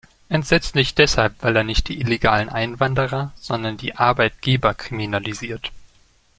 Entsetzlich deshalb, weil er nicht die illegalen Einwanderer, sondern die Arbeitgeber kriminalisiert.